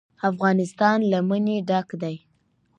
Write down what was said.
افغانستان له منی ډک دی.